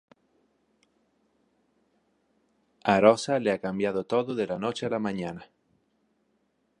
A Rosa le ha cambiado todo de la noche a la mañana.